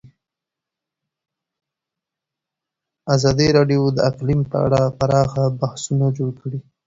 ازادي راډیو د اقلیم په اړه پراخ بحثونه جوړ کړي.